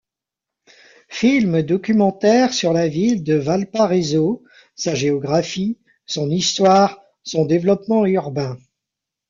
Film documentaire sur la ville de Valparaíso, sa géographie, son histoire, son développement urbain.